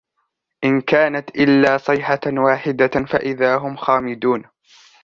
إِنْ كَانَتْ إِلَّا صَيْحَةً وَاحِدَةً فَإِذَا هُمْ خَامِدُونَ